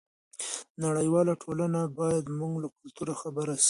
نړیواله ټولنه باید زموږ له کلتور خبره شي.